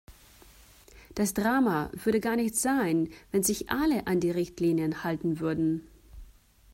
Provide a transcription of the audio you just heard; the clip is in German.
Das Drama würde gar nicht sein, wenn sich alle an die Richtlinien halten würden.